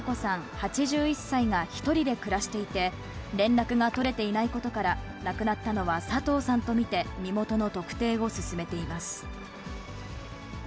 ８１歳が１人で暮らしていて、連絡が取れていないことから、亡くなったのは佐藤さんと見て、身元の特定を進めています。